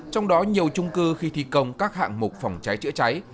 trong đó nhiều trung cư khi thi công các hạng mục phòng cháy chữa cháy